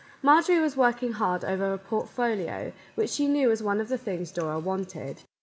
Marjorie was working hard over a portfolio, which she knew was one of the things Dora wanted.